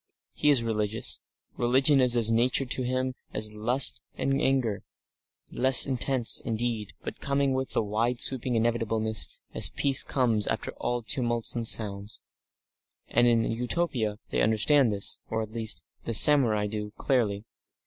He is religious; religion is as natural to him as lust and anger, less intense, indeed, but coming with a wide sweeping inevitableness as peace comes after all tumults and noises. And in Utopia they understand this, or, at least, the samurai do, clearly.